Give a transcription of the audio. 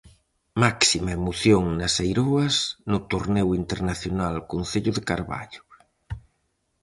Máxima emoción nas Eiroas no torneo internacional concello de Carballo.